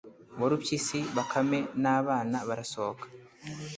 warupyisi, bakame, n’abana barasohoka